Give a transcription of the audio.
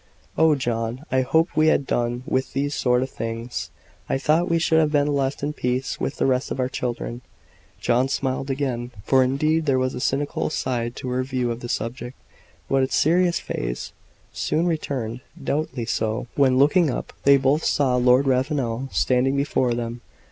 "Oh, John! I hoped we had done with these sort of things; I thought we should have been left in peace with the rest of our children." John smiled again; for, indeed, there was a comical side to her view of the subject; but its serious phase soon returned; doubly so, when, looking up, they both saw Lord Ravenel standing before them.